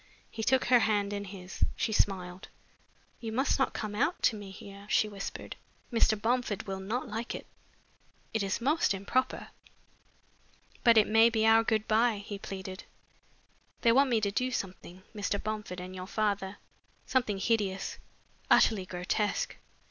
He took her hand in his. She smiled. "You must not come out to me here," she whispered. "Mr. Bomford will not like it. It is most improper." "But it may be our good bye," he pleaded. "They want me to do something, Mr. Bomford and your father, something hideous, utterly grotesque.